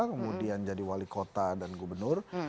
kemudian jadi wali kota dan gubernur